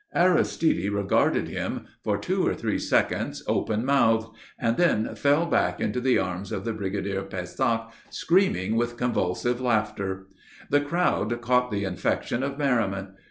Aristide regarded him for two or three seconds open mouthed, and then fell back into the arms of the Brigadier Pésac screaming with convulsive laughter. The crowd caught the infection of merriment.